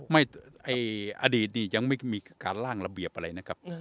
อดีตนี่ยังไม่มีการล่างระเบียบอะไรนะครับ